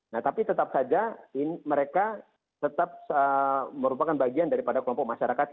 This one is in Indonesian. nah tapi tetap saja mereka tetap merupakan bagian daripada kelompok masyarakat